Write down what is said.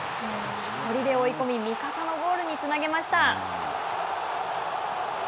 １人で追い込み味方のゴールにつなげました。